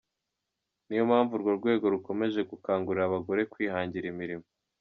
Iyo niyo mpamvu urwo rwego rukomeje gukangurira abagore kwihangira imimo.